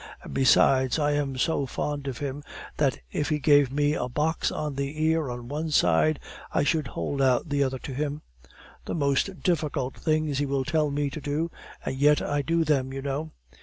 And besides, I am so fond of him that if he gave me a box on the ear on one side, I should hold out the other to him! The most difficult things he will tell me to do, and yet I do them, you know!